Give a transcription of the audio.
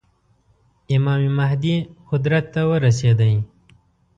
امام مهدي قدرت ته ورسېدی.